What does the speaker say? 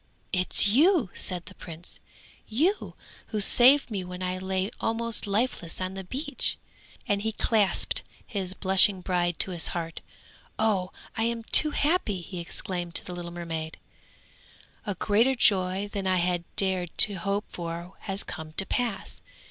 'It is you,' said the prince, 'you who saved me when I lay almost lifeless on the beach?' and he clasped his blushing bride to his heart. 'Oh! I am too happy!' he exclaimed to the little mermaid. 'A greater joy than I had dared to hope for has come to pass.